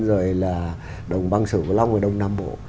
rồi là đồng băng sửa vương long và đông nam bộ